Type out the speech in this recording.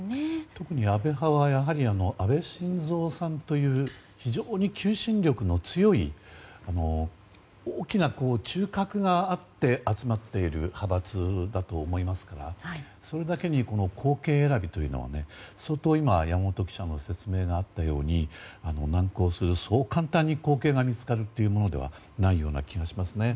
特に安倍派はやはり安倍晋三さんという非常に求心力の強い大きな中核があって集まっている派閥だと思いますからそれだけに後継選びというのは山本記者の説明にもあったように難航する、そう簡単に後継が見つかるものではない気がします。